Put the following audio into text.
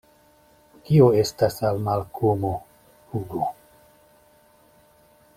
Kio estas al Malkomo, Hugo?